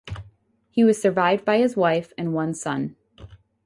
He was survived by his wife and one son.